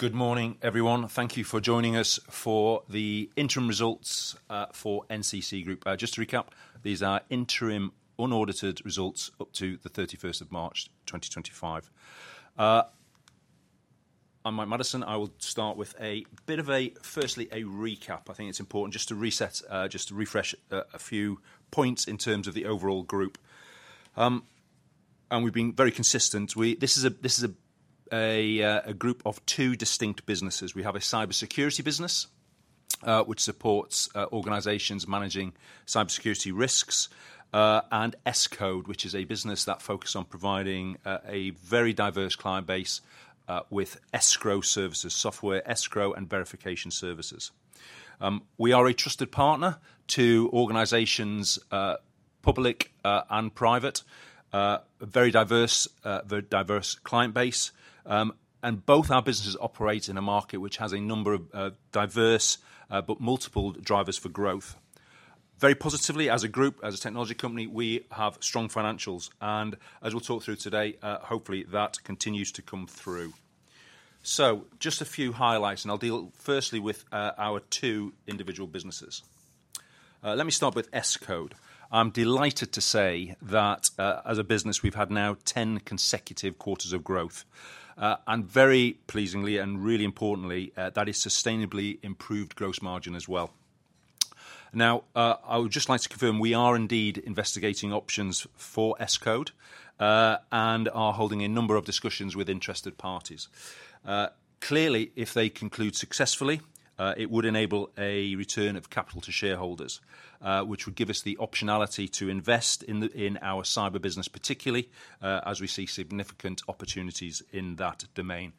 Good morning, everyone. Thank you for joining us for the interim results for NCC Group. Just to recap, these are interim unaudited results up to the 31st of March 2025. I'm Mike Maddison. I will start with a bit of a, firstly, a recap. I think it's important just to reset, just to refresh a few points in terms of the overall group. We've been very consistent. This is a group of two distinct businesses. We have a cybersecurity business, which supports organizations managing cybersecurity risks, and Escrow, which is a business that focuses on providing a very diverse client base with escrow services, software escrow, and verification services. We are a trusted partner to organizations, public and private, a very diverse client base. Both our businesses operate in a market which has a number of diverse but multiple drivers for growth. Very positively, as a group, as a technology company, we have strong financials. As we will talk through today, hopefully that continues to come through. Just a few highlights, and I will deal firstly with our two individual businesses. Let me start with Escrow. I am delighted to say that as a business, we have had now 10 consecutive quarters of growth. Very pleasingly and really importantly, that is sustainably improved gross margin as well. I would just like to confirm we are indeed investigating options for Escrow and are holding a number of discussions with interested parties. Clearly, if they conclude successfully, it would enable a return of capital to shareholders, which would give us the optionality to invest in our cyber business, particularly as we see significant opportunities in that domain.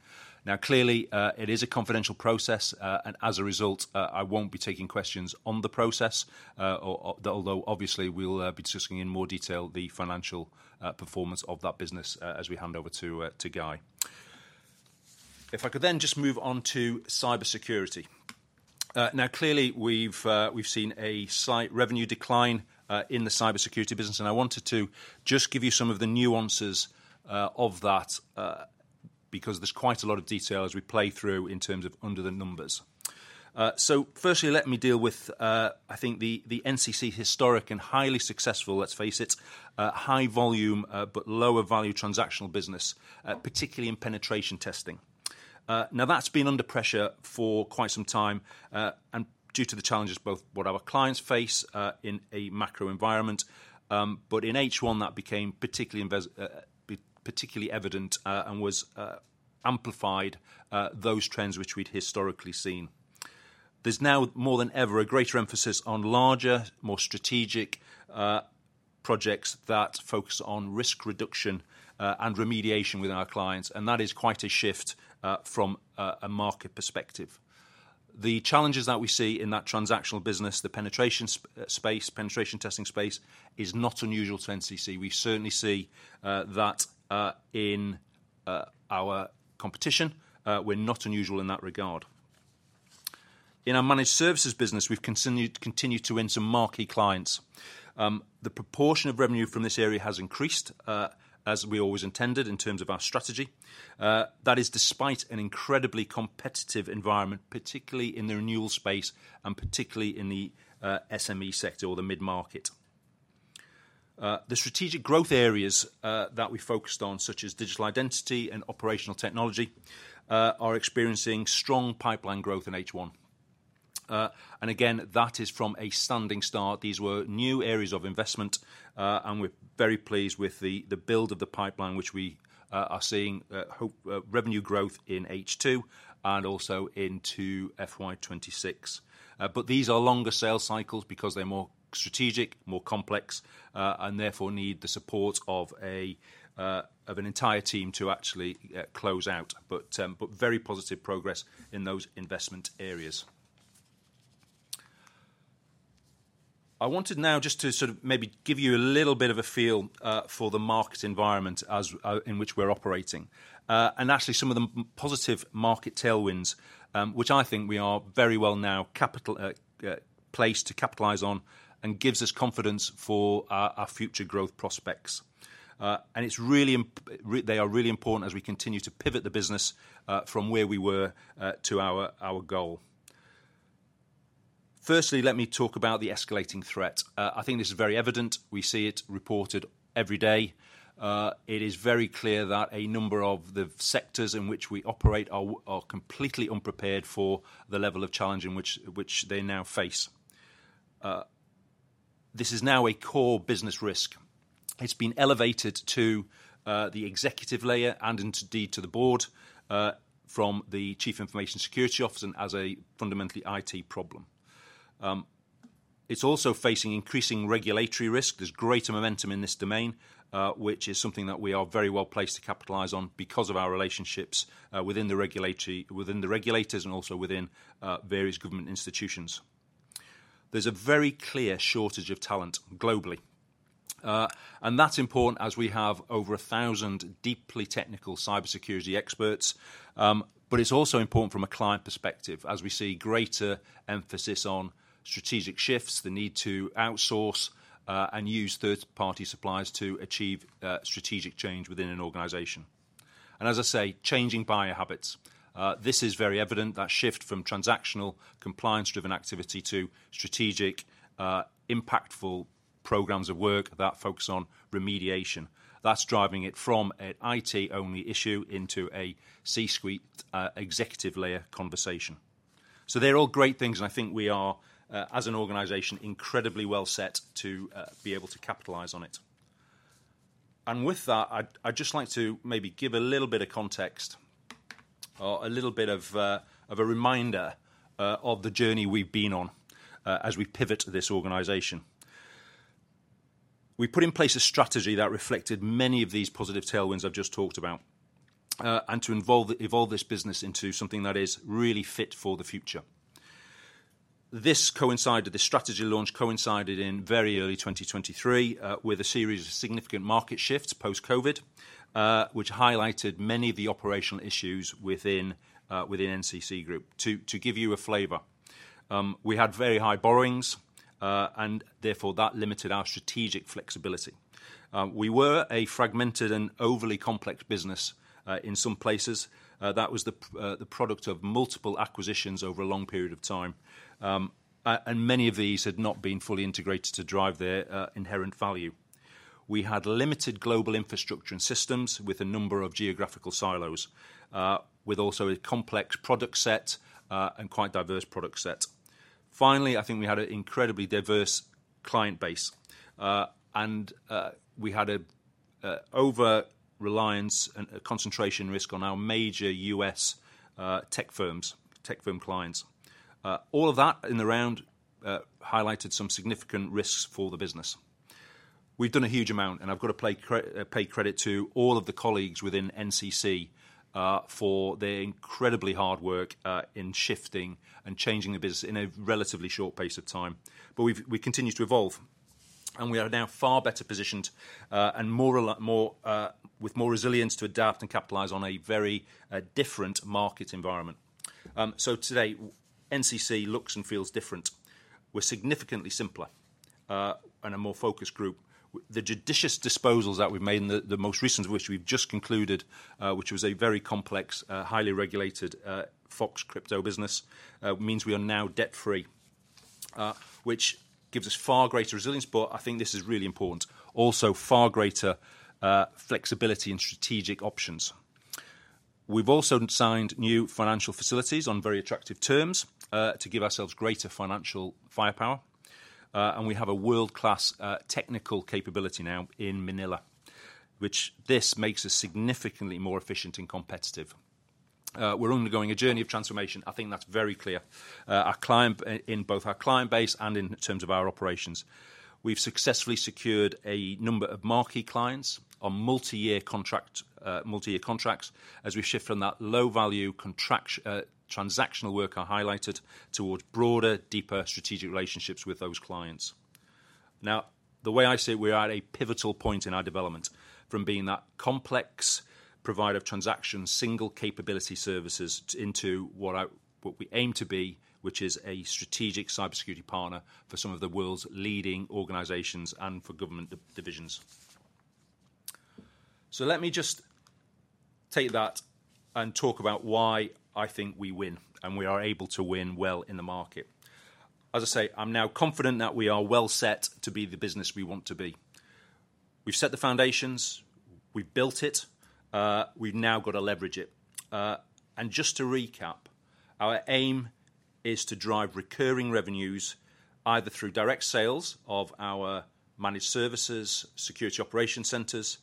Now, clearly, it is a confidential process, and as a result, I won't be taking questions on the process, although obviously we'll be discussing in more detail the financial performance of that business as we hand over to Guy. If I could then just move on to cybersecurity. Now, clearly, we've seen a slight revenue decline in the cybersecurity business, and I wanted to just give you some of the nuances of that because there's quite a lot of detail as we play through in terms of under the numbers. Firstly, let me deal with, I think, the NCC historic and highly successful, let's face it, high volume but lower value transactional business, particularly in penetration testing. Now, that's been under pressure for quite some time and due to the challenges both what our clients face in a macro environment, but in H1 that became particularly evident and was amplified those trends which we'd historically seen. There's now more than ever a greater emphasis on larger, more strategic projects that focus on risk reduction and remediation with our clients, and that is quite a shift from a market perspective. The challenges that we see in that transactional business, the penetration testing space is not unusual to NCC Group. We certainly see that in our competition. We're not unusual in that regard. In our managed services business, we've continued to win some marquee clients. The proportion of revenue from this area has increased, as we always intended in terms of our strategy. That is despite an incredibly competitive environment, particularly in the renewal space and particularly in the SME sector or the mid-market. The strategic growth areas that we focused on, such as digital identity and operational technology, are experiencing strong pipeline growth in H1. Again, that is from a standing start. These were new areas of investment, and we're very pleased with the build of the pipeline which we are seeing revenue growth in H2 and also into FY2026. These are longer sales cycles because they're more strategic, more complex, and therefore need the support of an entire team to actually close out. Very positive progress in those investment areas. I wanted now just to sort of maybe give you a little bit of a feel for the market environment in which we're operating. Actually, some of the positive market tailwinds, which I think we are very well now placed to capitalize on, give us confidence for our future growth prospects. They are really important as we continue to pivot the business from where we were to our goal. Firstly, let me talk about the escalating threat. I think this is very evident. We see it reported every day. It is very clear that a number of the sectors in which we operate are completely unprepared for the level of challenge in which they now face. This is now a core business risk. It has been elevated to the executive layer and indeed to the board from the Chief Information Security Officer as a fundamentally IT problem. It is also facing increasing regulatory risk. is greater momentum in this domain, which is something that we are very well placed to capitalize on because of our relationships within the regulators and also within various government institutions. There is a very clear shortage of talent globally. That is important as we have over 1,000 deeply technical cybersecurity experts. It is also important from a client perspective as we see greater emphasis on strategic shifts, the need to outsource and use third-party suppliers to achieve strategic change within an organization. As I say, changing buyer habits. This is very evident, that shift from transactional compliance-driven activity to strategic, impactful programs of work that focus on remediation. That is driving it from an IT-only issue into a C-suite executive layer conversation. They are all great things, and I think we are, as an organization, incredibly well set to be able to capitalize on it. With that, I'd just like to maybe give a little bit of context, a little bit of a reminder of the journey we've been on as we pivot this organization. We put in place a strategy that reflected many of these positive tailwinds I've just talked about and to evolve this business into something that is really fit for the future. This strategy launch coincided in very early 2023 with a series of significant market shifts post-COVID, which highlighted many of the operational issues within NCC Group. To give you a flavor, we had very high borrowings, and therefore that limited our strategic flexibility. We were a fragmented and overly complex business in some places. That was the product of multiple acquisitions over a long period of time, and many of these had not been fully integrated to drive their inherent value. We had limited global infrastructure and systems with a number of geographical silos, with also a complex product set and quite diverse product set. Finally, I think we had an incredibly diverse client base, and we had an over-reliance and concentration risk on our major U.S. tech firms, tech firm clients. All of that in the round highlighted some significant risks for the business. We've done a huge amount, and I've got to pay credit to all of the colleagues within NCC for their incredibly hard work in shifting and changing the business in a relatively short pace of time. We've continued to evolve, and we are now far better positioned and with more resilience to adapt and capitalise on a very different market environment. Today, NCC looks and feels different. We're significantly simpler and a more focused group. The judicious disposals that we've made, the most recent of which we've just concluded, which was a very complex, highly regulated Fox IT crypto business, means we are now debt-free, which gives us far greater resilience. I think this is really important. Also, far greater flexibility and strategic options. We've also signed new financial facilities on very attractive terms to give ourselves greater financial firepower. We have a world-class technical capability now in Manila, which makes us significantly more efficient and competitive. We're undergoing a journey of transformation. I think that's very clear. In both our client base and in terms of our operations, we've successfully secured a number of marquee clients on multi-year contracts as we shift from that low-value transactional work I highlighted towards broader, deeper strategic relationships with those clients. Now, the way I see it, we are at a pivotal point in our development from being that complex provider of transactions, single capability services into what we aim to be, which is a strategic cybersecurity partner for some of the world's leading organizations and for government divisions. Let me just take that and talk about why I think we win and we are able to win well in the market. As I say, I'm now confident that we are well set to be the business we want to be. We've set the foundations. We've built it. We've now got to leverage it. Just to recap, our aim is to drive recurring revenues either through direct sales of our managed services, security operations centers,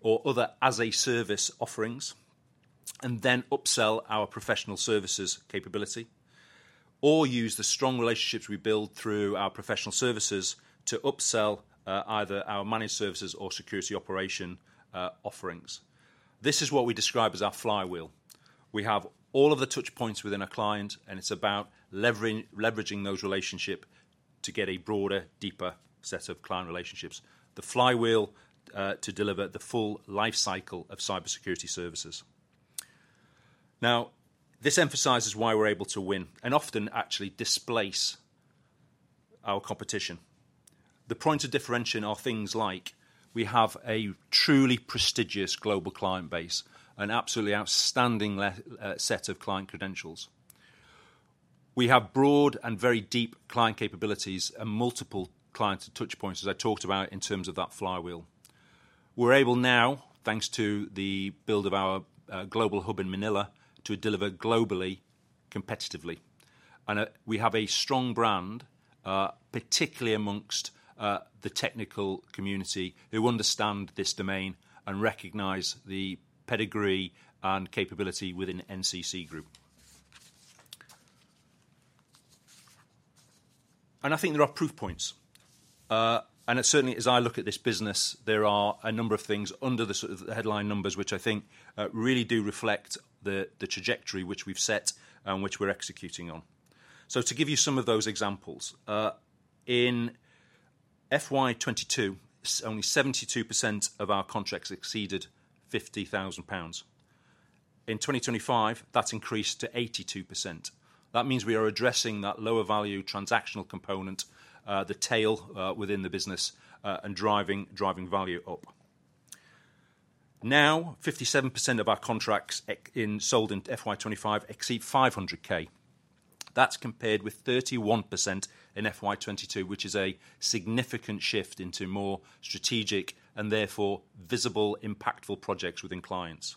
or other as-a-service offerings, and then upsell our professional services capability, or use the strong relationships we build through our professional services to upsell either our managed services or security operation offerings. This is what we describe as our flywheel. We have all of the touchpoints within a client, and it's about leveraging those relationships to get a broader, deeper set of client relationships. The flywheel to deliver the full lifecycle of cybersecurity services. Now, this emphasizes why we're able to win and often actually displace our competition. The points of differentiation are things like we have a truly prestigious global client base, an absolutely outstanding set of client credentials. We have broad and very deep client capabilities and multiple client touchpoints, as I talked about in terms of that flywheel. We are able now, thanks to the build of our global hub in Manila, to deliver globally competitively. We have a strong brand, particularly amongst the technical community who understand this domain and recognize the pedigree and capability within NCC Group. I think there are proof points. Certainly, as I look at this business, there are a number of things under the headline numbers, which I think really do reflect the trajectory which we have set and which we are executing on. To give you some of those examples, in FY 2022, only 72% of our contracts exceeded 50,000 pounds. In 2025, that has increased to 82%. That means we are addressing that lower value transactional component, the tail within the business, and driving value up. Now, 57% of our contracts sold in FY 2025 exceed 500,000. That's compared with 31% in FY 2022, which is a significant shift into more strategic and therefore visible, impactful projects within clients.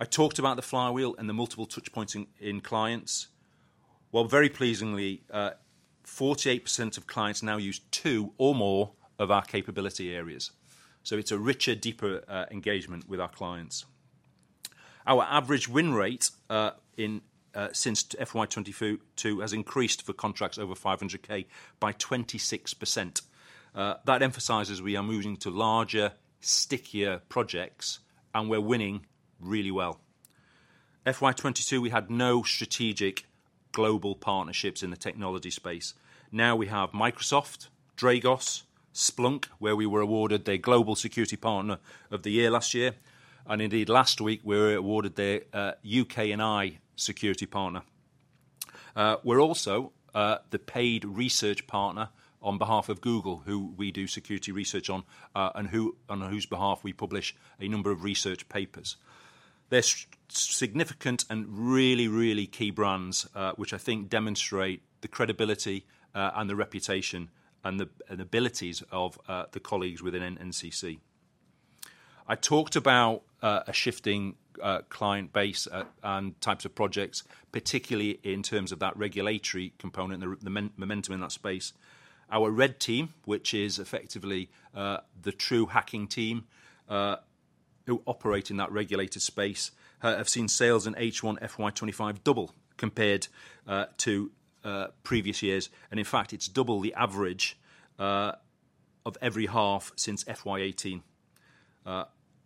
I talked about the flywheel and the multiple touchpoints in clients. Very pleasingly, 48% of clients now use two or more of our capability areas. So it's a richer, deeper engagement with our clients. Our average win rate since FY 2022 has increased for contracts over 500,000 by 26%. That emphasizes we are moving to larger, stickier projects, and we're winning really well. FY 2022, we had no strategic global partnerships in the technology space. Now we have Microsoft, Dragos, Splunk, where we were awarded the Global Security Partner of the Year last year. Indeed, last week, we were awarded the UKNI Security Partner. We're also the paid research partner on behalf of Google, who we do security research on and on whose behalf we publish a number of research papers. There are significant and really, really key brands, which I think demonstrate the credibility and the reputation and the abilities of the colleagues within NCC Group. I talked about a shifting client base and types of projects, particularly in terms of that regulatory component and the momentum in that space. Our red team, which is effectively the true hacking team who operate in that regulated space, have seen sales in H1 FY 2025 double compared to previous years. In fact, it's double the average of every half since FY 2018.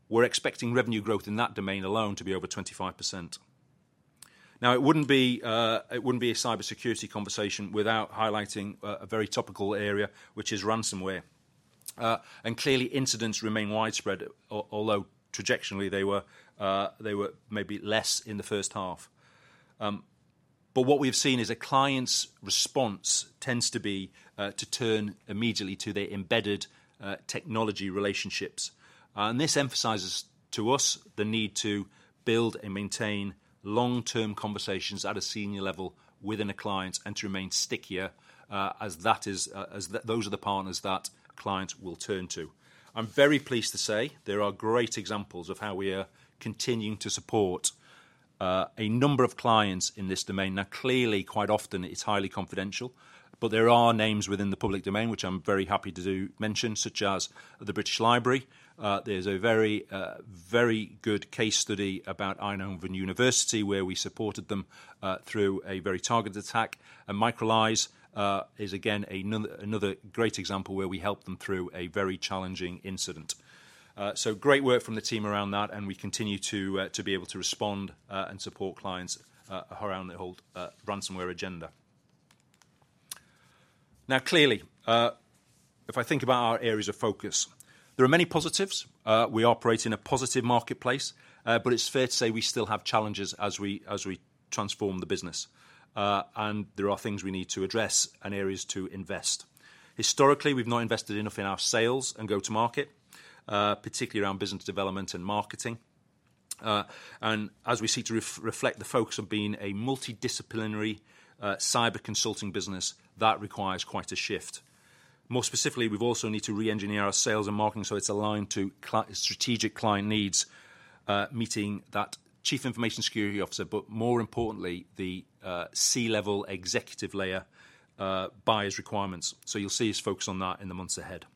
We're expecting revenue growth in that domain alone to be over 25%. Now, it wouldn't be a cybersecurity conversation without highlighting a very topical area, which is ransomware. Clearly, incidents remain widespread, although trajectory they were maybe less in the first half. What we've seen is a client's response tends to be to turn immediately to their embedded technology relationships. This emphasizes to us the need to build and maintain long-term conversations at a senior level within a client and to remain stickier as those are the partners that clients will turn to. I'm very pleased to say there are great examples of how we are continuing to support a number of clients in this domain. Now, quite often it's highly confidential, but there are names within the public domain, which I'm very happy to mention, such as the British Library. There's a very good case study about Eindhoven University where we supported them through a very targeted attack. Microlise is, again, another great example where we helped them through a very challenging incident. Great work from the team around that, and we continue to be able to respond and support clients around the whole ransomware agenda. Now, clearly, if I think about our areas of focus, there are many positives. We operate in a positive marketplace, but it's fair to say we still have challenges as we transform the business. There are things we need to address and areas to invest. Historically, we've not invested enough in our sales and go-to-market, particularly around business development and marketing. As we seek to reflect the focus of being a multidisciplinary cyber consulting business, that requires quite a shift. More specifically, we've also need to re-engineer our sales and marketing so it's aligned to strategic client needs, meeting that Chief Information Security Officer, but more importantly, the C-level executive layer buyer's requirements. You'll see us focus on that in the months ahead.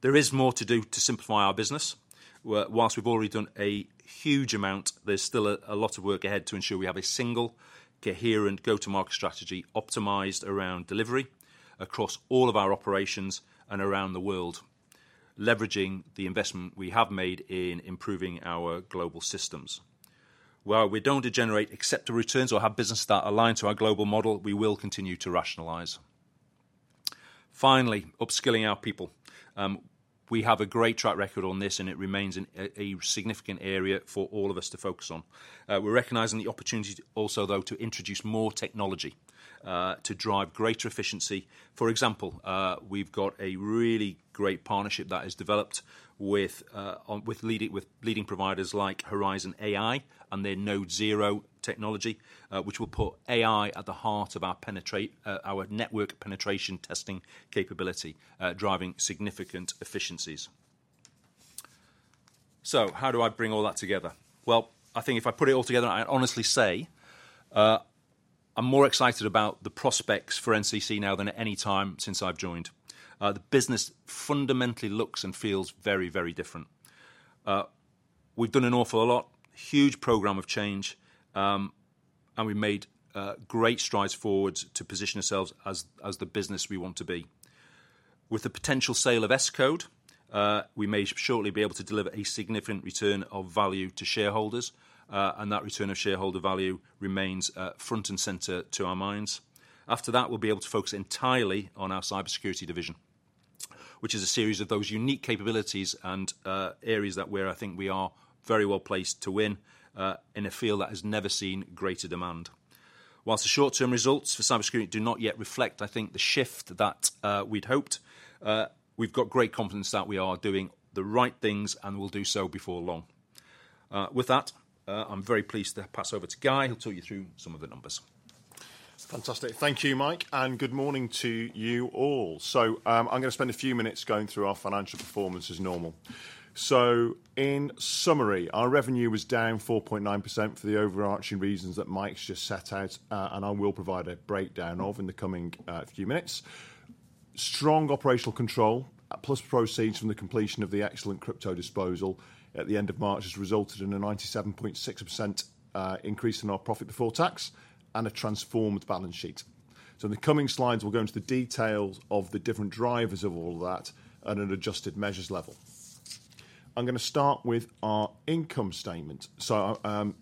There is more to do to simplify our business. Whilst we've already done a huge amount, there's still a lot of work ahead to ensure we have a single, coherent go-to-market strategy optimized around delivery across all of our operations and around the world, leveraging the investment we have made in improving our global systems. While we don't degenerate except to returns or have business that aligns to our global model, we will continue to rationalize. Finally, upskilling our people. We have a great track record on this, and it remains a significant area for all of us to focus on. We're recognizing the opportunity also, though, to introduce more technology to drive greater efficiency. For example, we've got a really great partnership that has developed with leading providers like Horizon 3 AI and their Node Zero technology, which will put AI at the heart of our network penetration testing capability, driving significant efficiencies. How do I bring all that together? I think if I put it all together, I honestly say I'm more excited about the prospects for NCC Group now than at any time since I've joined. The business fundamentally looks and feels very, very different. We've done an awful lot, huge program of change, and we've made great strides forward to position ourselves as the business we want to be. With the potential sale of S-Code, we may shortly be able to deliver a significant return of value to shareholders, and that return of shareholder value remains front and center to our minds. After that, we'll be able to focus entirely on our cybersecurity division, which is a series of those unique capabilities and areas that where I think we are very well placed to win in a field that has never seen greater demand. Whilst the short-term results for cybersecurity do not yet reflect, I think, the shift that we'd hoped, we've got great confidence that we are doing the right things and will do so before long. With that, I'm very pleased to pass over to Guy. He'll talk you through some of the numbers. Fantastic. Thank you, Mike. Good morning to you all. I'm going to spend a few minutes going through our financial performance as normal. In summary, our revenue was down 4.9% for the overarching reasons that Mike's just set out, and I will provide a breakdown of in the coming few minutes. Strong operational control plus proceeds from the completion of the excellent crypto disposal at the end of March has resulted in a 97.6% increase in our profit before tax and a transformed balance sheet. In the coming slides, we'll go into the details of the different drivers of all of that at an adjusted measures level. I'm going to start with our income statement. Everyone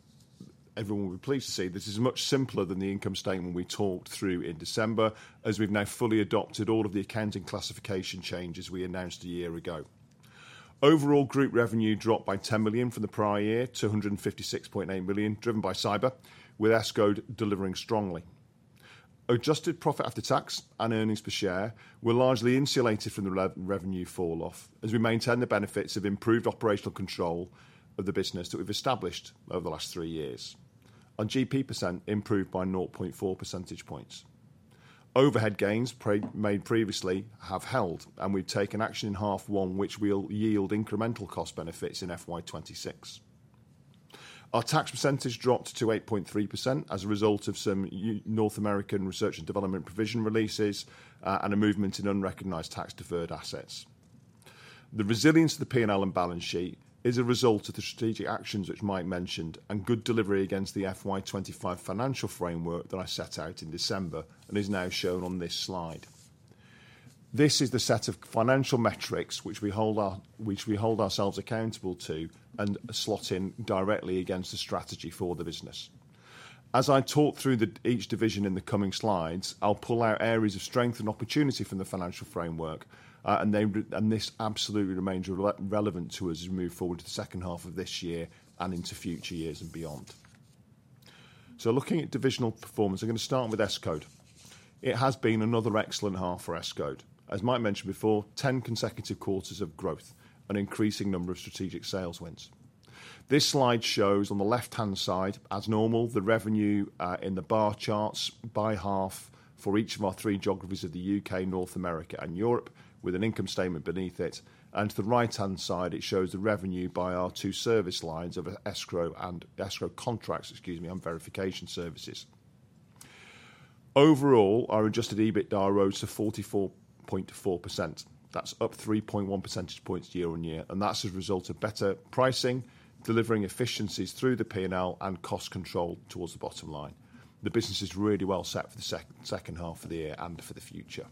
will be pleased to see this is much simpler than the income statement we talked through in December, as we've now fully adopted all of the accounting classification changes we announced a year ago. Overall group revenue dropped by 10 million from the prior year to 156.8 million, driven by cyber, with S-Code delivering strongly. Adjusted profit after tax and earnings per share were largely insulated from the revenue falloff as we maintain the benefits of improved operational control of the business that we've established over the last three years, and GP percent improved by 0.4 percentage points. Overhead gains made previously have held, and we've taken action in half one, which will yield incremental cost benefits in FY 2026. Our tax percent dropped to 8.3% as a result of some North American research and development provision releases and a movement in unrecognized tax-deferred assets. The resilience of the P&L and balance sheet is a result of the strategic actions which Mike mentioned and good delivery against the FY 2025 financial framework that I set out in December and is now shown on this slide. This is the set of financial metrics which we hold ourselves accountable to and slot in directly against the strategy for the business. As I talk through each division in the coming slides, I'll pull out areas of strength and opportunity from the financial framework, and this absolutely remains relevant to us as we move forward to the second half of this year and into future years and beyond. Looking at divisional performance, I'm going to start with S-Code. It has been another excellent half for S-Code. As Mike mentioned before, 10 consecutive quarters of growth and increasing number of strategic sales wins. This slide shows on the left-hand side, as normal, the revenue in the bar charts by half for each of our three geographies of the U.K., North America, and Europe with an income statement beneath it. To the right-hand side, it shows the revenue by our two service lines of escrow and escrow contracts, excuse me, and verification services. Overall, our adjusted EBITDA rose to 44.4%. That's up 3.1 percentage points year on year, and that's a result of better pricing, delivering efficiencies through the P&L and cost control towards the bottom line. The business is really well set for the second half of the year and for the future.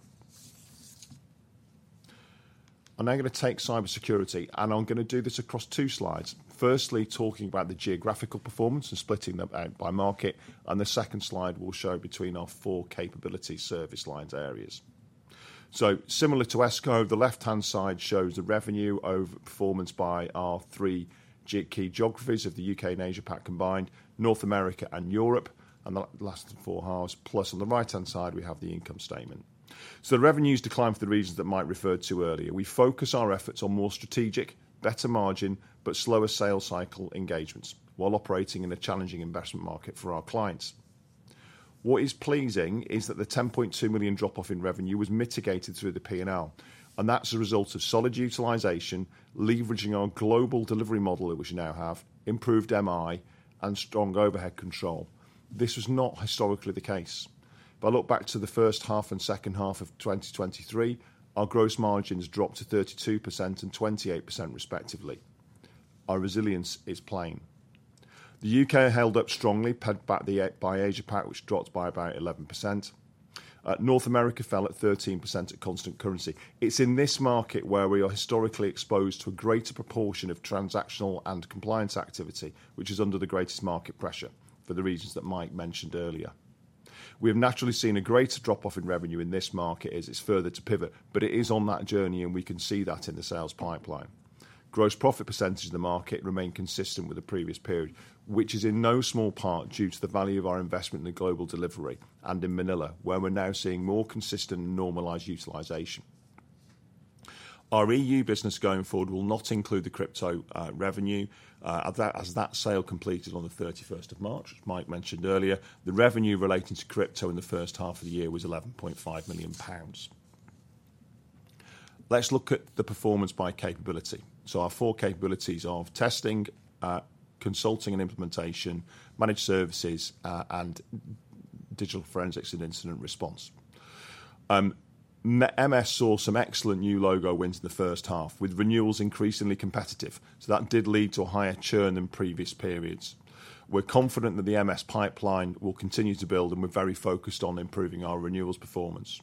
I'm now going to take cybersecurity, and I'm going to do this across two slides. Firstly, talking about the geographical performance and splitting them out by market, and the second slide will show between our four capability service lines areas. Similar to S-Code, the left-hand side shows the revenue over performance by our three key geographies of the U.K. and Asia-Pacific combined, North America and Europe, and the last four halves. Plus, on the right-hand side, we have the income statement. The revenues decline for the reasons that Mike referred to earlier. We focus our efforts on more strategic, better margin, but slower sales cycle engagements while operating in a challenging investment market for our clients. What is pleasing is that the 10.2 million drop-off in revenue was mitigated through the P&L, and that is a result of solid utilization, leveraging our global delivery model that we now have, improved MI, and strong overhead control. This was not historically the case. If I look back to the first half and second half of 2023, our gross margins dropped to 32% and 28% respectively. Our resilience is plain. The U.K. held up strongly backed by Asia-Pacific, which dropped by about 11%. North America fell at 13% at constant currency. It is in this market where we are historically exposed to a greater proportion of transactional and compliance activity, which is under the greatest market pressure for the reasons that Mike mentioned earlier. We have naturally seen a greater drop-off in revenue in this market as it is further to pivot, but it is on that journey, and we can see that in the sales pipeline. Gross profit % in the market remained consistent with the previous period, which is in no small part due to the value of our investment in the global delivery and in Manila, where we're now seeing more consistent and normalized utilization. Our EU business going forward will not include the crypto revenue. As that sale completed on March 31, as Mike mentioned earlier, the revenue relating to crypto in the first half of the year was 11.5 million pounds. Let's look at the performance by capability. Our four capabilities of testing, consulting and implementation, managed services, and digital forensics and incident response. MS saw some excellent new logo wins in the first half, with renewals increasingly competitive. That did lead to a higher churn than previous periods. We're confident that the MS pipeline will continue to build, and we're very focused on improving our renewals performance.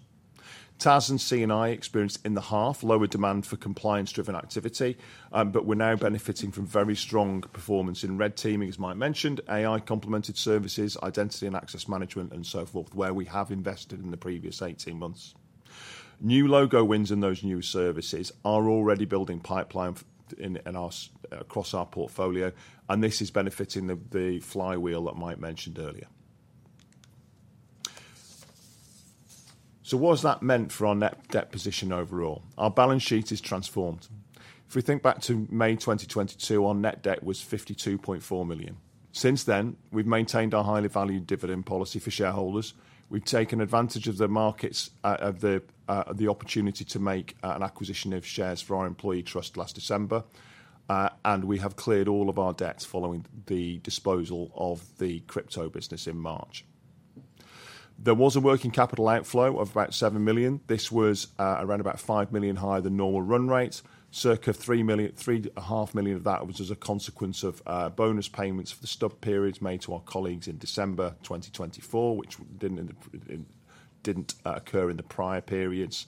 TAS and CNI experienced in the half lower demand for compliance-driven activity, but we're now benefiting from very strong performance in red teaming, as Mike mentioned, AI complemented services, identity and access management, and so forth, where we have invested in the previous 18 months. New logo wins in those new services are already building pipeline across our portfolio, and this is benefiting the flywheel that Mike mentioned earlier. What has that meant for our net debt position overall? Our balance sheet is transformed. If we think back to May 2022, our net debt was 52.4 million. Since then, we've maintained our highly valued dividend policy for shareholders. We've taken advantage of the markets, of the opportunity to make an acquisition of shares for our employee trust last December, and we have cleared all of our debts following the disposal of the crypto business in March. There was a working capital outflow of about 7 million. This was around about 5 million higher than normal run rates. Circa 3.5 million of that was as a consequence of bonus payments for the stub periods made to our colleagues in December 2024, which did not occur in the prior periods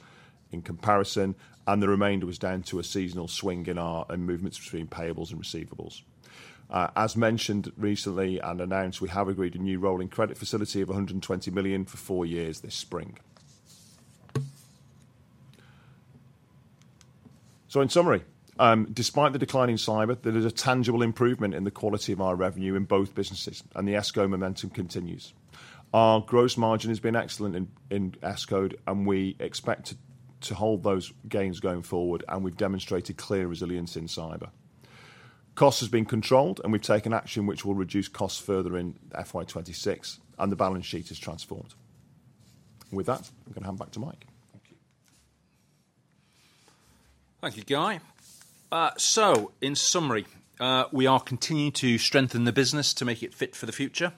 in comparison, and the remainder was down to a seasonal swing in our movements between payables and receivables. As mentioned recently and announced, we have agreed a new rolling credit facility of 120 million for four years this spring. In summary, despite the decline in cyber, there is a tangible improvement in the quality of our revenue in both businesses, and the escrow momentum continues. Our gross margin has been excellent in escrow, and we expect to hold those gains going forward, and we have demonstrated clear resilience in cyber. Cost has been controlled, and we've taken action which will reduce costs further in FY 2026, and the balance sheet is transformed. With that, I'm going to hand back to Mike. Thank you. Thank you, Guy. In summary, we are continuing to strengthen the business to make it fit for the future.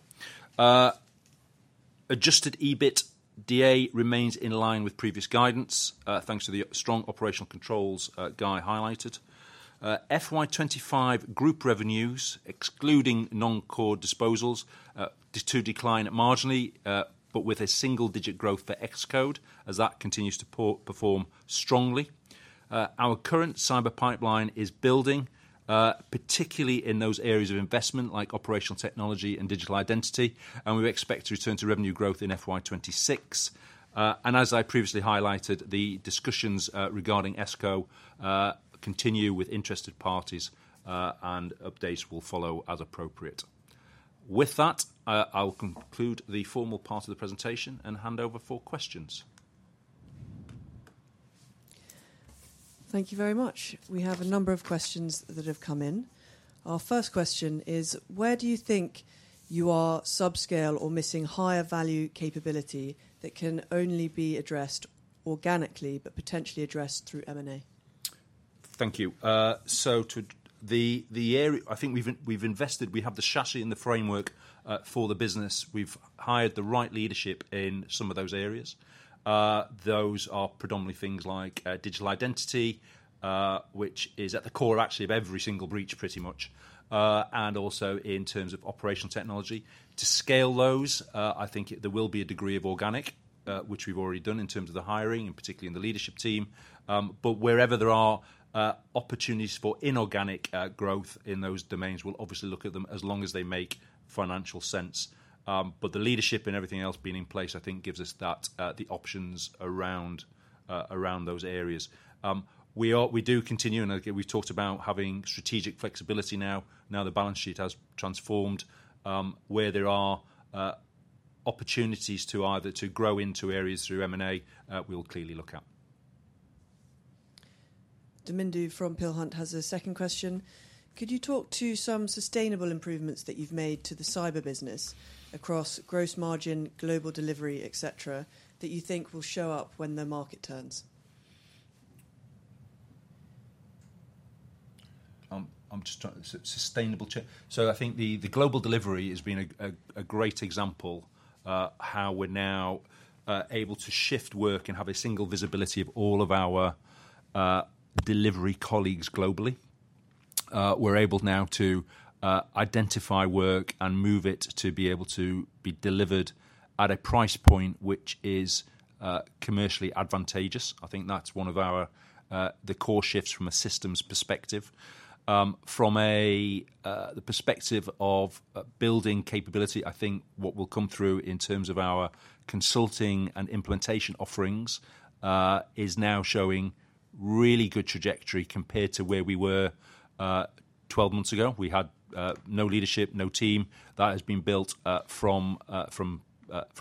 Adjusted EBITDA remains in line with previous guidance, thanks to the strong operational controls Guy highlighted. FY 2025 group revenues, excluding non-core disposals, do decline marginally, but with a single-digit growth for S-Code as that continues to perform strongly. Our current cyber pipeline is building, particularly in those areas of investment like operational technology and digital identity, and we expect to return to revenue growth in FY 2026. As I previously highlighted, the discussions regarding S-Code continue with interested parties, and updates will follow as appropriate. With that, I'll conclude the formal part of the presentation and hand over for questions. Thank you very much. We have a number of questions that have come in. Our first question is, where do you think you are subscale or missing higher value capability that can only be addressed organically, but potentially addressed through M&A? Thank you. I think we've invested, we have the chassis and the framework for the business. We've hired the right leadership in some of those areas. Those are predominantly things like digital identity, which is at the core actually of every single breach pretty much, and also in terms of operational technology. To scale those, I think there will be a degree of organic, which we've already done in terms of the hiring and particularly in the leadership team. Wherever there are opportunities for inorganic growth in those domains, we'll obviously look at them as long as they make financial sense. The leadership and everything else being in place, I think gives us the options around those areas. We do continue, and we've talked about having strategic flexibility now. Now the balance sheet has transformed. Where there are opportunities to either grow into areas through M&A, we'll clearly look at. Domindu from Peel Hunt has a second question. Could you talk to some sustainable improvements that you've made to the cyber business across gross margin, global delivery, etc., that you think will show up when the market turns? I'm just trying to sustainable. I think the global delivery has been a great example of how we're now able to shift work and have a single visibility of all of our delivery colleagues globally. We're able now to identify work and move it to be able to be delivered at a price point which is commercially advantageous. I think that's one of the core shifts from a systems perspective. From the perspective of building capability, I think what will come through in terms of our consulting and implementation offerings is now showing really good trajectory compared to where we were 12 months ago. We had no leadership, no team. That has been built from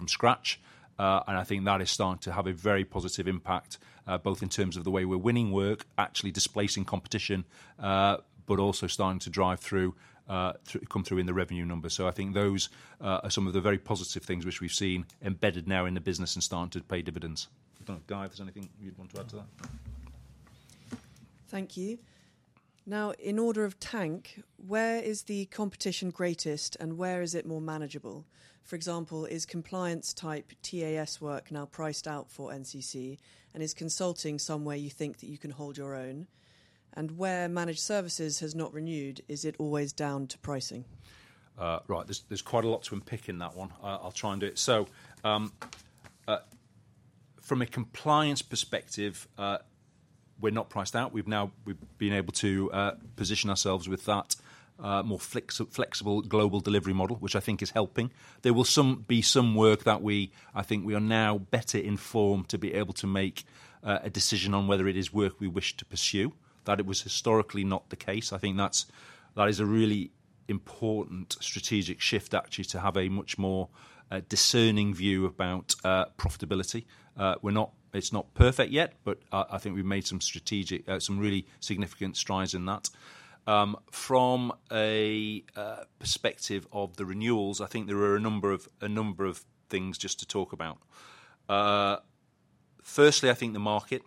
scratch, and I think that is starting to have a very positive impact, both in terms of the way we're winning work, actually displacing competition, but also starting to drive through, come through in the revenue numbers. I think those are some of the very positive things which we've seen embedded now in the business and starting to pay dividends. I don't know, Guy, if there's anything you'd want to add to that. Thank you. Now, in order of tank, where is the competition greatest and where is it more manageable? For example, is compliance type TAS work now priced out for NCC Group, and is consulting somewhere you think that you can hold your own? Where managed services has not renewed, is it always down to pricing? Right, there's quite a lot to unpick in that one. I'll try and do it. From a compliance perspective, we're not priced out. We've been able to position ourselves with that more flexible global delivery model, which I think is helping. There will be some work that I think we are now better informed to be able to make a decision on whether it is work we wish to pursue. That was historically not the case. I think that is a really important strategic shift actually to have a much more discerning view about profitability. It's not perfect yet, but I think we've made some strategic, some really significant strides in that. From a perspective of the renewals, I think there are a number of things just to talk about. Firstly, I think the market,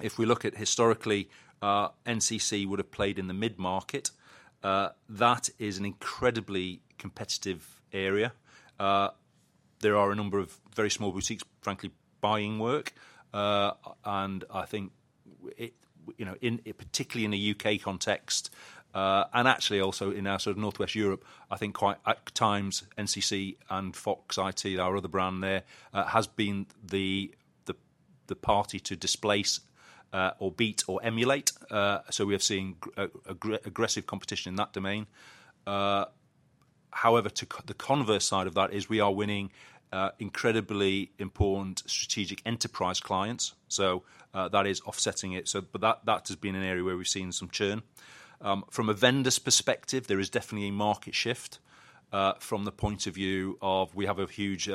if we look at historically, NCC would have played in the mid-market. That is an incredibly competitive area. There are a number of very small boutiques, frankly, buying work, and I think particularly in a U.K. context, and actually also in our sort of Northwest Europe, I think quite at times NCC and Fox IT, our other brand there, has been the party to displace or beat or emulate. We have seen aggressive competition in that domain. However, the converse side of that is we are winning incredibly important strategic enterprise clients. That is offsetting it. That has been an area where we've seen some churn. From a vendor's perspective, there is definitely a market shift from the point of view of we have a huge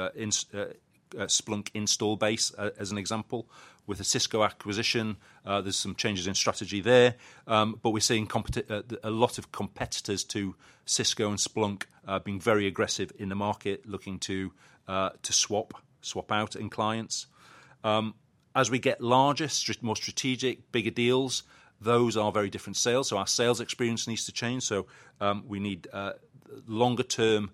Splunk install base as an example. With a Cisco acquisition, there's some changes in strategy there. We're seeing a lot of competitors to Cisco and Splunk being very aggressive in the market looking to swap out in clients. As we get larger, more strategic, bigger deals, those are very different sales. Our sales experience needs to change. We need longer-term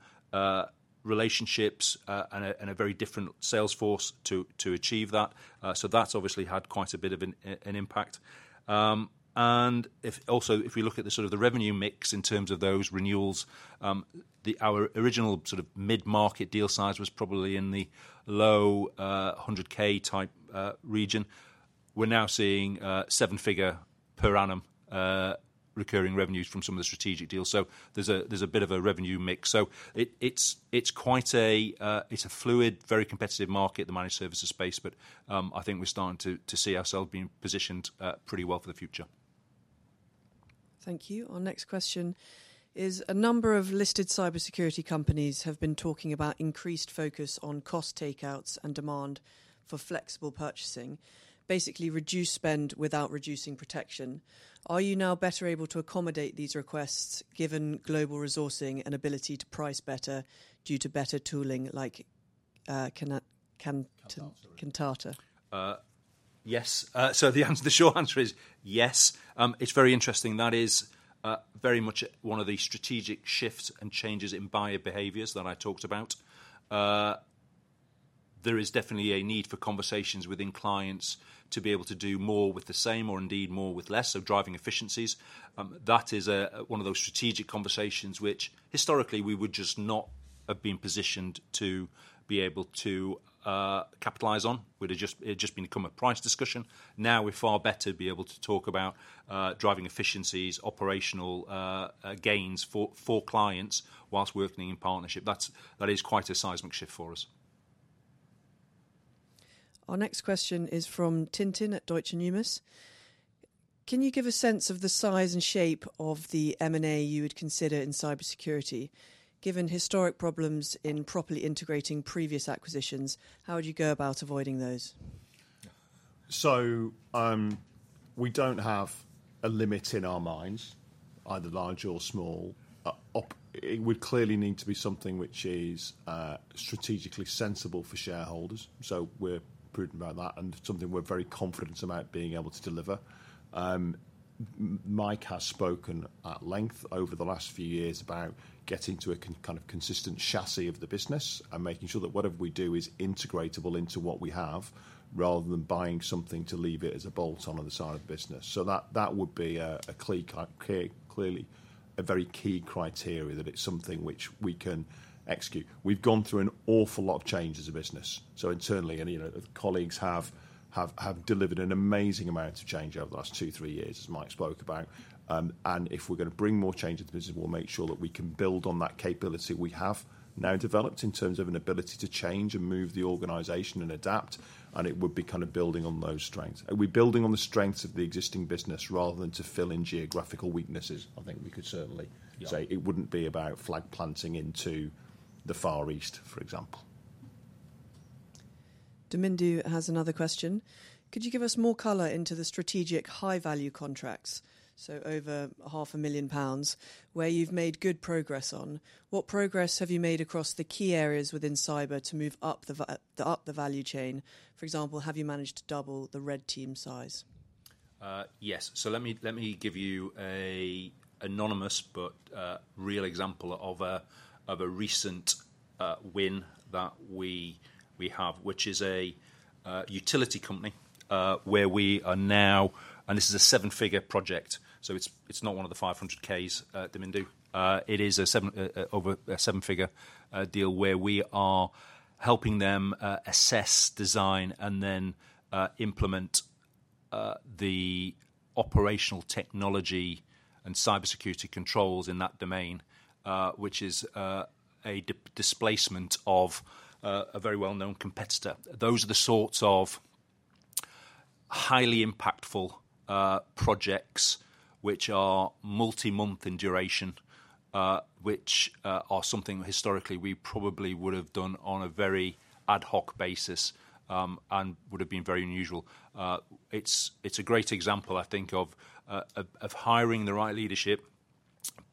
relationships and a very different sales force to achieve that. That's obviously had quite a bit of an impact. Also, if we look at the sort of the revenue mix in terms of those renewals, our original sort of mid-market deal size was probably in the low 100,000 type region. We're now seeing seven-figure per annum recurring revenues from some of the strategic deals. There's a bit of a revenue mix. It's a fluid, very competitive market, the managed services space, but I think we're starting to see ourselves being positioned pretty well for the future. Thank you. Our next question is a number of listed cybersecurity companies have been talking about increased focus on cost takeouts and demand for flexible purchasing, basically reduce spend without reducing protection. Are you now better able to accommodate these requests given global resourcing and ability to price better due to better tooling like Cantata? Yes. The short answer is yes. It is very interesting. That is very much one of the strategic shifts and changes in buyer behaviors that I talked about. There is definitely a need for conversations within clients to be able to do more with the same or indeed more with less of driving efficiencies. That is one of those strategic conversations which historically we would just not have been positioned to be able to capitalize on. It had just been a come-of-price discussion. Now we are far better to be able to talk about driving efficiencies, operational gains for clients whilst working in partnership. That is quite a seismic shift for us. Our next question is from Tintin at Deutsche Bank. Can you give a sense of the size and shape of the M&A you would consider in cybersecurity? Given historic problems in properly integrating previous acquisitions, how would you go about avoiding those? We do not have a limit in our minds, either large or small. It would clearly need to be something which is strategically sensible for shareholders. We are prudent about that and something we are very confident about being able to deliver. Mike has spoken at length over the last few years about getting to a kind of consistent chassis of the business and making sure that whatever we do is integratable into what we have rather than buying something to leave it as a bolt on the side of the business. That would be a very key criteria that it is something which we can execute. We have gone through an awful lot of change as a business. Internally, colleagues have delivered an amazing amount of change over the last two, three years, as Mike spoke about. If we're going to bring more change into the business, we'll make sure that we can build on that capability we have now developed in terms of an ability to change and move the organization and adapt. It would be kind of building on those strengths. Are we building on the strengths of the existing business rather than to fill in geographical weaknesses? I think we could certainly say it wouldn't be about flag planting into the Far East, for example. Domindu has another question. Could you give us more color into the strategic high-value contracts? So over 500,000 pounds, where you've made good progress on. What progress have you made across the key areas within cyber to move up the value chain? For example, have you managed to double the red team size? Yes. Let me give you an anonymous but real example of a recent win that we have, which is a utility company where we are now, and this is a seven-figure project. It is not one of the GBP 500,000 Domindu. It is over a seven-figure deal where we are helping them assess, design, and then implement the operational technology and cybersecurity controls in that domain, which is a displacement of a very well-known competitor. Those are the sorts of highly impactful projects which are multi-month in duration, which are something historically we probably would have done on a very ad hoc basis and would have been very unusual. It is a great example, I think, of hiring the right leadership,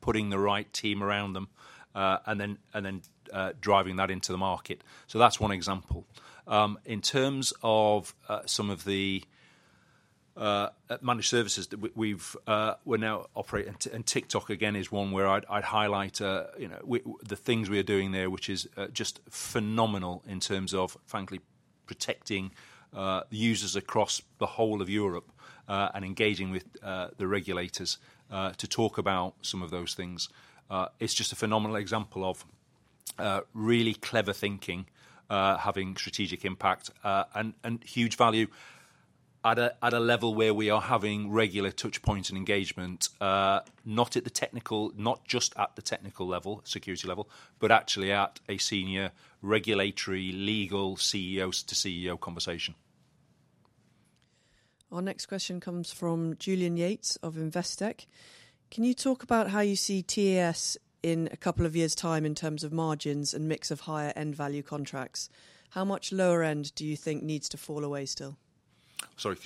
putting the right team around them, and then driving that into the market. That is one example. In terms of some of the managed services that we're now operating, and TikTok again is one where I'd highlight the things we are doing there, which is just phenomenal in terms of, frankly, protecting users across the whole of Europe and engaging with the regulators to talk about some of those things. It's just a phenomenal example of really clever thinking, having strategic impact and huge value at a level where we are having regular touchpoints and engagement, not just at the technical level, security level, but actually at a senior regulatory, legal, CEO to CEO conversation. Our next question comes from Julian Yates of Investec. Can you talk about how you see TAS in a couple of years' time in terms of margins and mix of higher-end value contracts? How much lower-end do you think needs to fall away still? Sorry,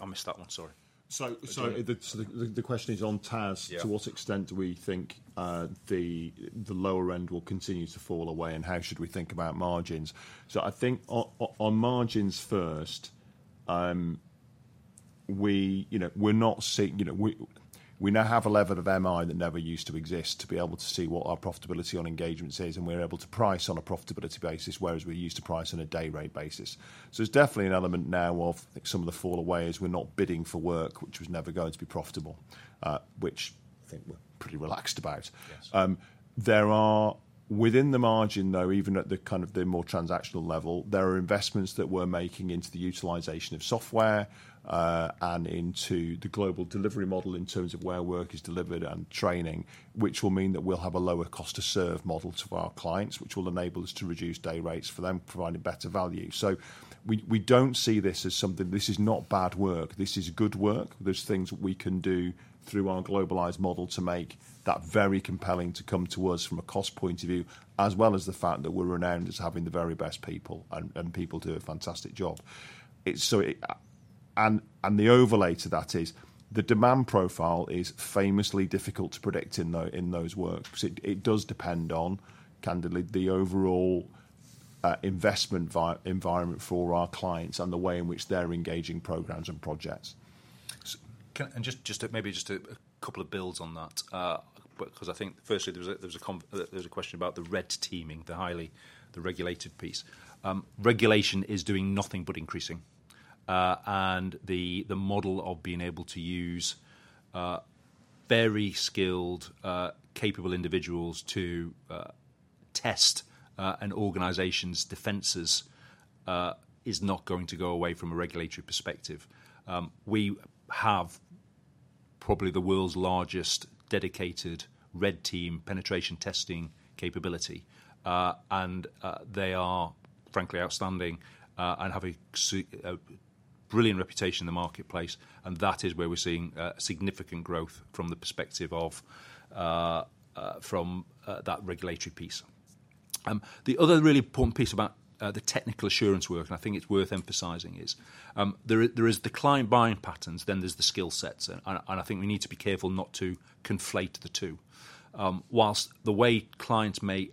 I missed that one. Sorry. The question is on TAS. To what extent do we think the lower-end will continue to fall away, and how should we think about margins? I think on margins first, we're not seeing we now have a level of MI that never used to exist to be able to see what our profitability on engagements is, and we're able to price on a profitability basis, whereas we used to price on a day-rate basis. There's definitely an element now of some of the fall away as we're not bidding for work, which was never going to be profitable, which I think we're pretty relaxed about. Within the margin, though, even at the kind of more transactional level, there are investments that we're making into the utilization of software and into the global delivery model in terms of where work is delivered and training, which will mean that we'll have a lower cost-to-serve model to our clients, which will enable us to reduce day rates for them, providing better value. We do not see this as something this is not bad work. This is good work. There are things we can do through our globalized model to make that very compelling to come to us from a cost point of view, as well as the fact that we're renowned as having the very best people and people do a fantastic job. The overlay to that is the demand profile is famously difficult to predict in those works because it does depend on, candidly, the overall investment environment for our clients and the way in which they're engaging programs and projects. Maybe just a couple of builds on that, because I think firstly, there's a question about the red teaming, the regulated piece. Regulation is doing nothing but increasing. The model of being able to use very skilled, capable individuals to test an organization's defenses is not going to go away from a regulatory perspective. We have probably the world's largest dedicated red team penetration testing capability, and they are, frankly, outstanding and have a brilliant reputation in the marketplace. That is where we're seeing significant growth from the perspective of that regulatory piece. The other really important piece about the technical assurance work, and I think it's worth emphasizing, is there is declined buying patterns, then there's the skill sets. I think we need to be careful not to conflate the two. Whilst the way clients may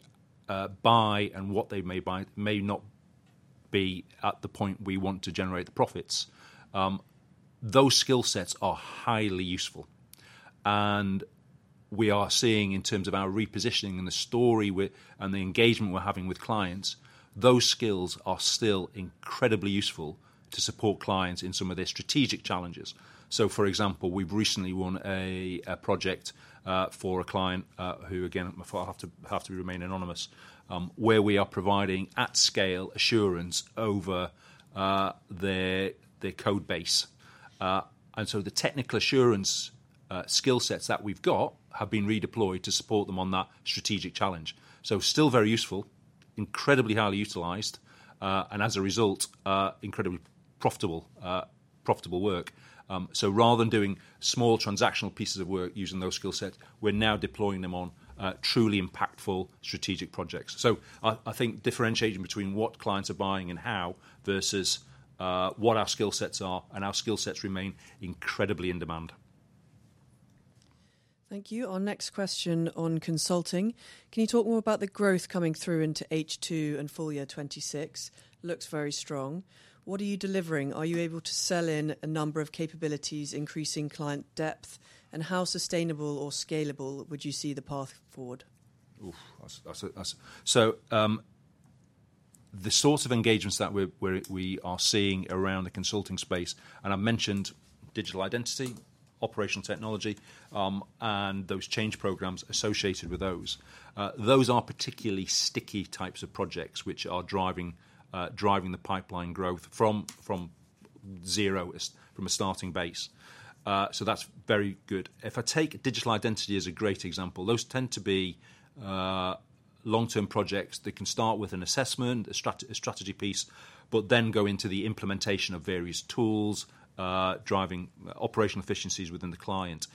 buy and what they may buy may not be at the point we want to generate the profits, those skill sets are highly useful. We are seeing in terms of our repositioning and the story and the engagement we're having with clients, those skills are still incredibly useful to support clients in some of their strategic challenges. For example, we've recently won a project for a client who, again, I'll have to remain anonymous, where we are providing at-scale assurance over their code base. The technical assurance skill sets that we've got have been redeployed to support them on that strategic challenge. Still very useful, incredibly highly utilized, and as a result, incredibly profitable work. Rather than doing small transactional pieces of work using those skill sets, we're now deploying them on truly impactful strategic projects. I think differentiating between what clients are buying and how versus what our skill sets are, and our skill sets remain incredibly in demand. Thank you. Our next question on consulting. Can you talk more about the growth coming through into H2 and full year 2026? Looks very strong. What are you delivering? Are you able to sell in a number of capabilities, increasing client depth? And how sustainable or scalable would you see the path forward? The sorts of engagements that we are seeing around the consulting space, and I've mentioned digital identity, operational technology, and those change programs associated with those. Those are particularly sticky types of projects which are driving the pipeline growth from zero, from a starting base. That's very good. If I take digital identity as a great example, those tend to be long-term projects that can start with an assessment, a strategy piece, but then go into the implementation of various tools, driving operational efficiencies within the client.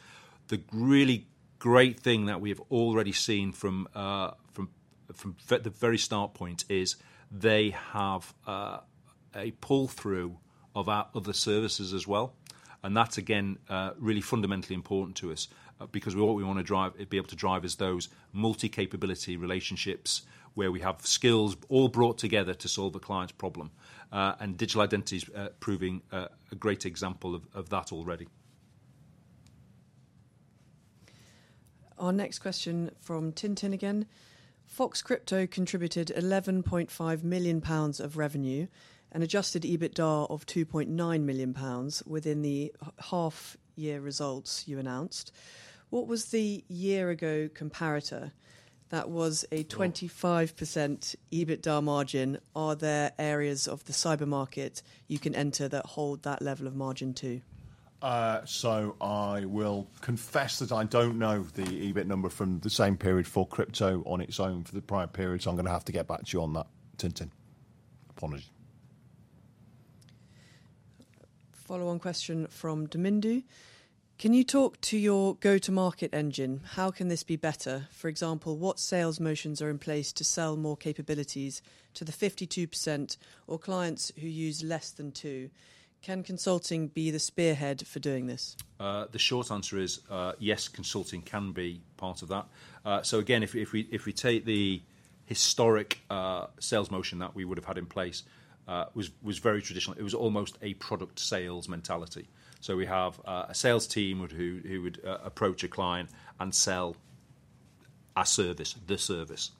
The really great thing that we have already seen from the very start point is they have a pull-through of our other services as well. That's, again, really fundamentally important to us because what we want to be able to drive is those multi-capability relationships where we have skills all brought together to solve a client's problem. Digital identity is proving a great example of that already. Our next question from Tintin again. Fox IT Crypto contributed 11.5 million pounds of revenue and adjusted EBITDA of 2.9 million pounds within the half-year results you announced. What was the year-ago comparator? That was a 25% EBITDA margin. Are there areas of the cyber market you can enter that hold that level of margin too? I will confess that I do not know the EBIT number from the same period for crypto on its own for the prior period. I am going to have to get back to you on that, Tintin. Apologies. Follow-on question from Domindu. Can you talk to your go-to-market engine? How can this be better? For example, what sales motions are in place to sell more capabilities to the 52% of clients who use less than two? Can consulting be the spearhead for doing this? The short answer is yes, consulting can be part of that. Again, if we take the historic sales motion that we would have had in place, it was very traditional. It was almost a product sales mentality. We have a sales team who would approach a client and sell a service, the service.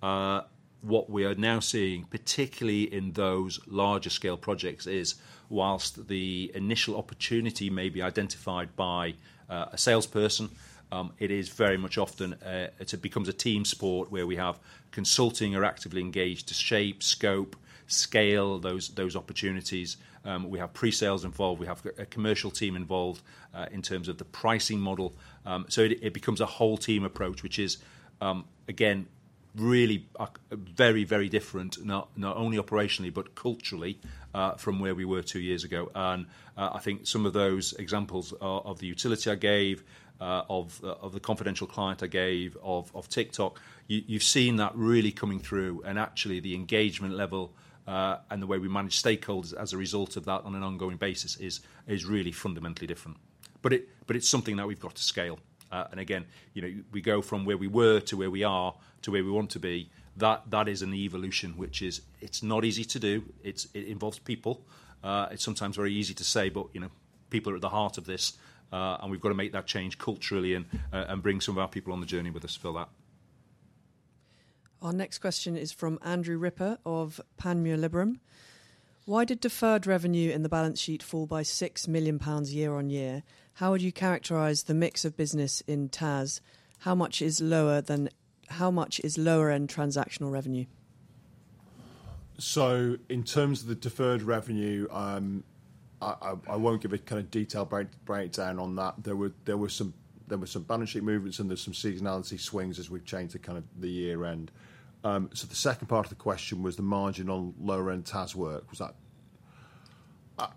What we are now seeing, particularly in those larger-scale projects, is whilst the initial opportunity may be identified by a salesperson, it is very much often it becomes a team sport where we have consulting actively engaged to shape, scope, scale those opportunities. We have pre-sales involved. We have a commercial team involved in terms of the pricing model. It becomes a whole-team approach, which is, again, really very, very different, not only operationally but culturally from where we were two years ago. I think some of those examples of the utility I gave, of the confidential client I gave, of TikTok, you've seen that really coming through. Actually, the engagement level and the way we manage stakeholders as a result of that on an ongoing basis is really fundamentally different. It is something that we've got to scale. We go from where we were to where we are to where we want to be. That is an evolution, which is not easy to do. It involves people. It is sometimes very easy to say, but people are at the heart of this, and we've got to make that change culturally and bring some of our people on the journey with us for that. Our next question is from Andrew Ripper of Panmure Gordon. Why did deferred revenue in the balance sheet fall by 6 million pounds year on year? How would you characterize the mix of business in TAS? How much is lower and how much is lower-end transactional revenue? In terms of the deferred revenue, I won't give a kind of detailed breakdown on that. There were some balance sheet movements, and there's some seasonality swings as we've changed the year-end. The second part of the question was the margin on lower-end TAS work.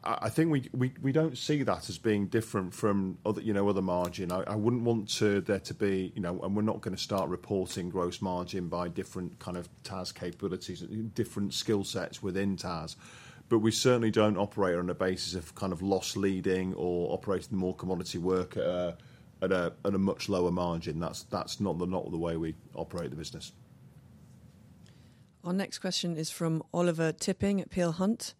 I think we don't see that as being different from other margin. I wouldn't want there to be, and we're not going to start reporting gross margin by different kind of TAS capabilities, different skill sets within TAS. We certainly don't operate on a basis of kind of loss leading or operating more commodity work at a much lower margin. That's not the way we operate the business. Our next question is from Oliver Tipping at Peel Hunt.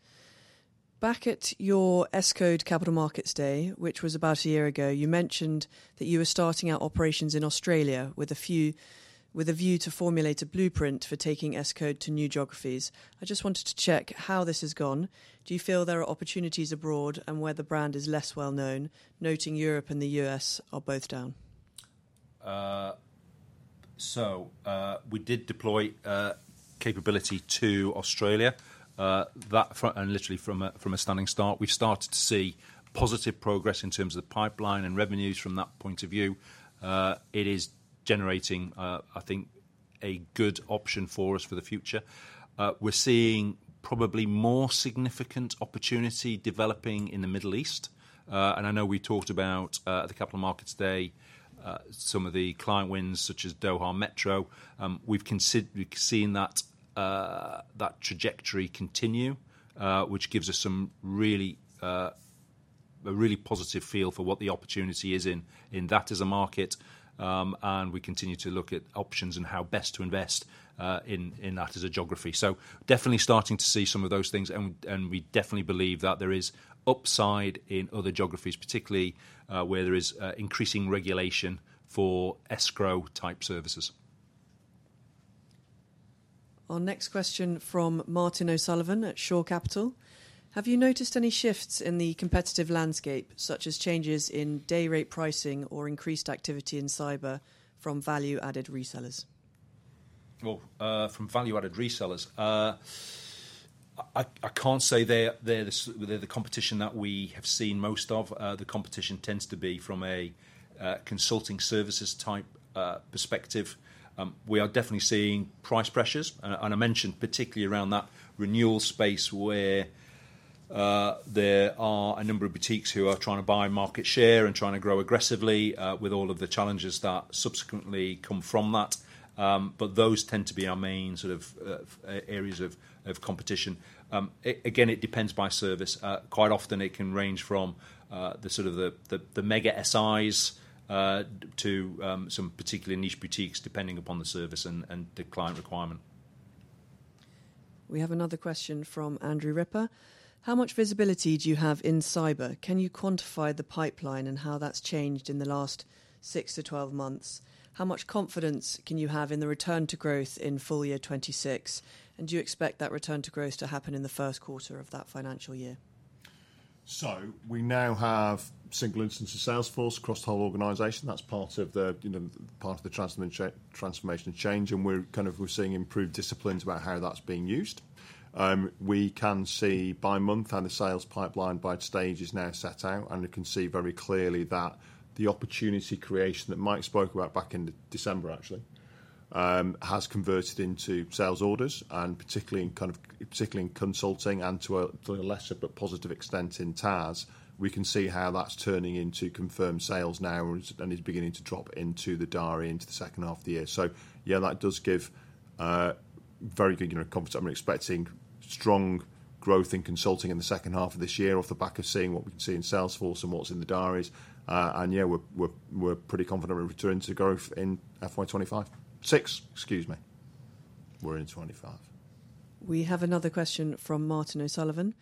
Back at your S-Code Capital Markets Day, which was about a year ago, you mentioned that you were starting out operations in Australia with a view to formulate a blueprint for taking S-Code to new geographies. I just wanted to check how this has gone. Do you feel there are opportunities abroad and where the brand is less well known, noting Europe and the U.S. are both down? We did deploy capability to Australia. Literally from a standing start, we've started to see positive progress in terms of the pipeline and revenues from that point of view. It is generating, I think, a good option for us for the future. We're seeing probably more significant opportunity developing in the Middle East. I know we talked about at the Capital Markets Day, some of the client wins such as Doha Metro. We've seen that trajectory continue, which gives us a really positive feel for what the opportunity is in that as a market. We continue to look at options and how best to invest in that as a geography. Definitely starting to see some of those things. We definitely believe that there is upside in other geographies, particularly where there is increasing regulation for escrow-type services. Our next question from Martin O'Sullivan at Shore Capital. Have you noticed any shifts in the competitive landscape, such as changes in day-rate pricing or increased activity in cyber from value-added resellers? From value-added resellers, I can't say they're the competition that we have seen most of. The competition tends to be from a consulting services type perspective. We are definitely seeing price pressures. I mentioned particularly around that renewal space where there are a number of boutiques who are trying to buy market share and trying to grow aggressively with all of the challenges that subsequently come from that. Those tend to be our main sort of areas of competition. Again, it depends by service. Quite often, it can range from the sort of the mega SIs to some particularly niche boutiques, depending upon the service and the client requirement. We have another question from Andrew Ripper. How much visibility do you have in cyber? Can you quantify the pipeline and how that's changed in the last six to 12 months? How much confidence can you have in the return to growth in full year 2026? Do you expect that return to growth to happen in the first quarter of that financial year? We now have a single instance of Salesforce across the whole organization. That is part of the transformation change. We are kind of seeing improved disciplines about how that is being used. We can see by month how the sales pipeline by stage is now set out. We can see very clearly that the opportunity creation that Mike spoke about back in December, actually, has converted into sales orders. Particularly in consulting and to a lesser but positive extent in TAS, we can see how that is turning into confirmed sales now and is beginning to drop into the diary into the second half of the year. Yeah, that does give very good confidence. I am expecting strong growth in consulting in the second half of this year off the back of seeing what we can see in Salesforce and what is in the diaries. Yeah, we're pretty confident in return to growth in FY 2025. Six, excuse me. We're in 2025. We have another question from Martin O'Sullivan.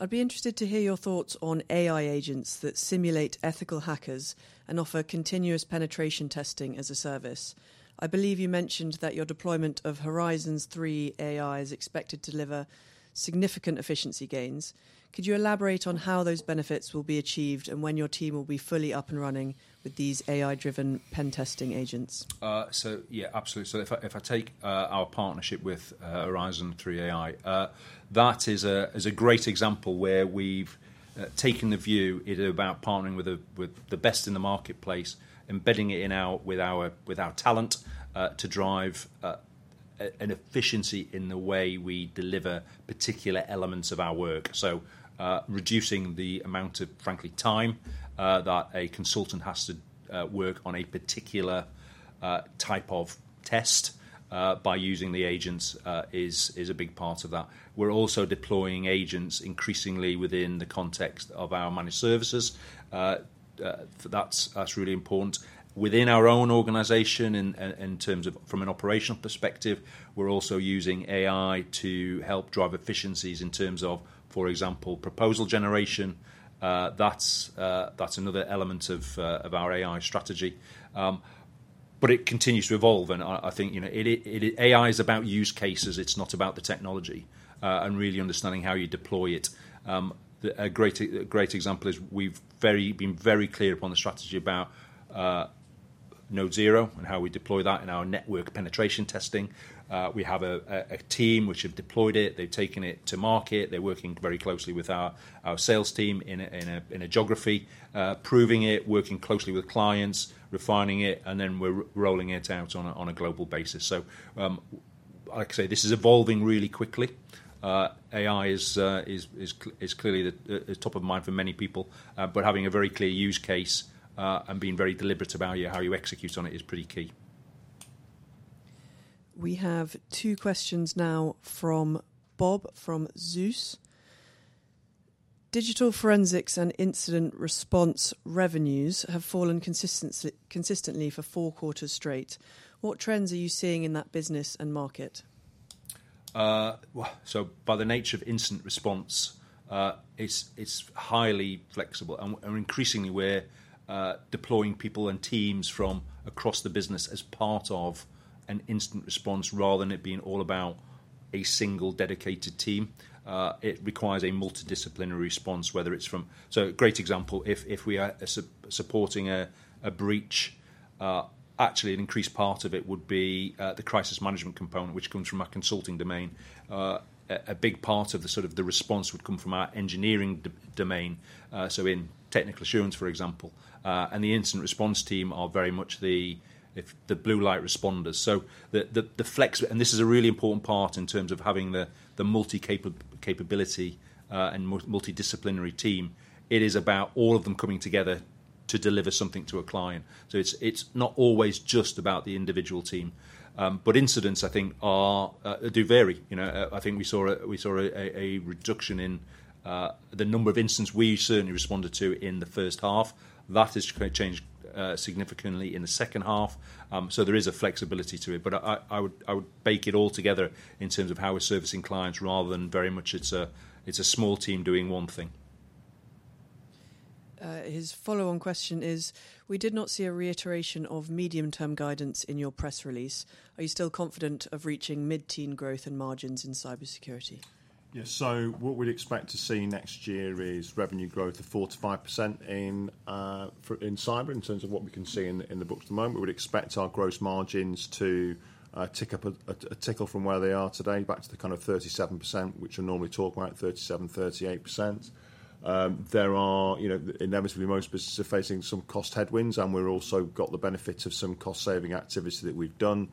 I'd be interested to hear your thoughts on AI agents that simulate ethical hackers and offer continuous penetration testing as a service. I believe you mentioned that your deployment of Horizon 3 AI is expected to deliver significant efficiency gains. Could you elaborate on how those benefits will be achieved and when your team will be fully up and running with these AI-driven pen testing agents? Yeah, absolutely. If I take our partnership with Horizon 3 AI, that is a great example where we've taken the view about partnering with the best in the marketplace, embedding it in our talent to drive an efficiency in the way we deliver particular elements of our work. Reducing the amount of, frankly, time that a consultant has to work on a particular type of test by using the agents is a big part of that. We're also deploying agents increasingly within the context of our managed services. That's really important. Within our own organization, in terms of from an operational perspective, we're also using AI to help drive efficiencies in terms of, for example, proposal generation. That's another element of our AI strategy. It continues to evolve. I think AI is about use cases. It's not about the technology and really understanding how you deploy it. A great example is we've been very clear upon the strategy about Node Zero and how we deploy that in our network penetration testing. We have a team which have deployed it. They've taken it to market. They're working very closely with our sales team in a geography, proving it, working closely with clients, refining it, and then we're rolling it out on a global basis. Like I say, this is evolving really quickly. AI is clearly at the top of mind for many people. Having a very clear use case and being very deliberate about how you execute on it is pretty key. We have two questions now from Bob from Zeus. Digital Forensics and Incident Response revenues have fallen consistently for four quarters straight. What trends are you seeing in that business and market? By the nature of incident response, it's highly flexible. Increasingly, we're deploying people and teams from across the business as part of an incident response rather than it being all about a single dedicated team. It requires a multidisciplinary response, whether it's from, so a great example, if we are supporting a breach, actually an increased part of it would be the crisis management component, which comes from our consulting domain. A big part of the sort of the response would come from our engineering domain, so in technical assurance, for example. The incident response team are very much the blue light responders. The flex, and this is a really important part in terms of having the multi-capability and multidisciplinary team. It is about all of them coming together to deliver something to a client. It's not always just about the individual team. Incidents, I think, do vary. I think we saw a reduction in the number of incidents we certainly responded to in the first half. That has changed significantly in the second half. There is a flexibility to it. I would bake it all together in terms of how we're servicing clients rather than very much it's a small team doing one thing. His follow-on question is, we did not see a reiteration of medium-term guidance in your press release. Are you still confident of reaching mid-teen growth in margins in cybersecurity? Yes. What we'd expect to see next year is revenue growth of 4-5% in cyber in terms of what we can see in the books at the moment. We would expect our gross margins to tick up a tickle from where they are today back to the kind of 37%, which we normally talk about, 37-38%. There are inevitably most businesses facing some cost headwinds, and we've also got the benefit of some cost-saving activity that we've done.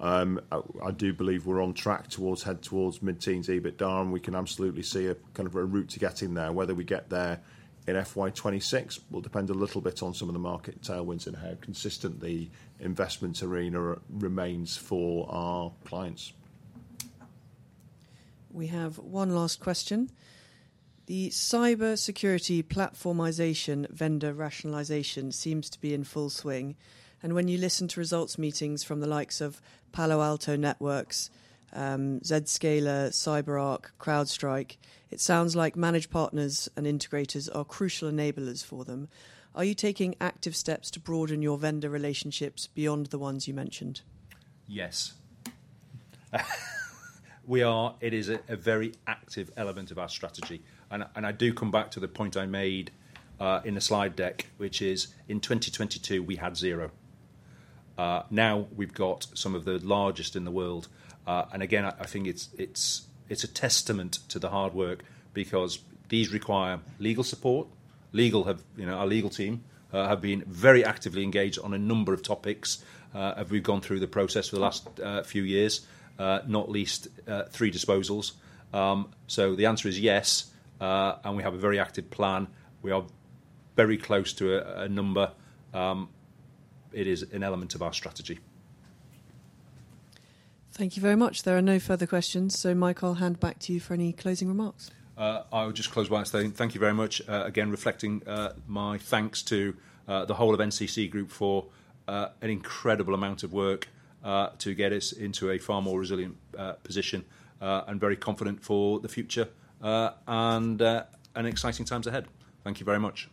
I do believe we're on track towards head towards mid-teens, even darn. We can absolutely see a kind of a route to getting there. Whether we get there in FY 2026 will depend a little bit on some of the market tailwinds and how consistent the investment arena remains for our clients. We have one last question. The cybersecurity platformisation vendor rationalisation seems to be in full swing. When you listen to results meetings from the likes of Palo Alto Networks, Zscaler, CyberArk, CrowdStrike, it sounds like managed partners and integrators are crucial enablers for them. Are you taking active steps to broaden your vendor relationships beyond the ones you mentioned? Yes. It is a very active element of our strategy. I do come back to the point I made in the slide deck, which is in 2022, we had zero. Now we have some of the largest in the world. I think it is a testament to the hard work because these require legal support. Our legal team have been very actively engaged on a number of topics as we have gone through the process for the last few years, not least three disposals. The answer is yes. We have a very active plan. We are very close to a number. It is an element of our strategy. Thank you very much. There are no further questions. Mike, I'll hand back to you for any closing remarks. I'll just close by saying thank you very much. Again, reflecting my thanks to the whole of NCC Group for an incredible amount of work to get us into a far more resilient position and very confident for the future and exciting times ahead. Thank you very much.